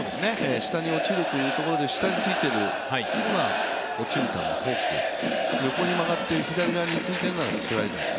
下に落ちるというところで、下についているものが落ちる球、フォークと、横に曲がって左についてるのがスライダーです。